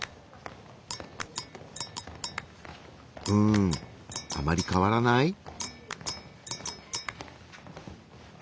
うんあまり変わらない？